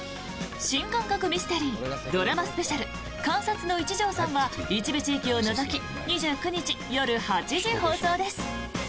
新感覚ミステリードラマスペシャル「監察の一条さん」は一部地域を除き２９日夜８時放送です。